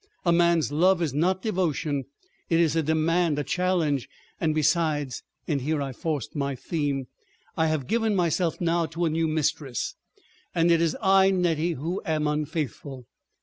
A man's love is not devotion—it is a demand, a challenge. And besides"—and here I forced my theme—"I have given myself now to a new mistress—and it is I, Nettie, who am unfaithful.